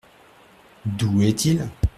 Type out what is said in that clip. D’où est-il ?